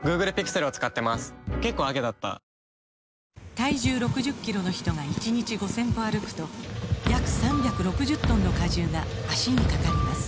体重６０キロの人が１日５０００歩歩くと約３６０トンの荷重が脚にかかります